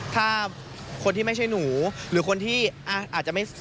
ถ้าคนที่ไม่ใช่หนูหรือคนที่อาจจะไม่